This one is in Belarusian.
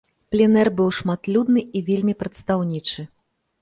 Пленэр быў шматлюдны і вельмі прадстаўнічы.